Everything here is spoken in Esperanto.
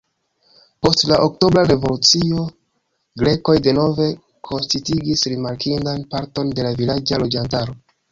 Post la Oktobra revolucio grekoj denove konsistigis rimarkindan parton de la vilaĝa loĝantaro.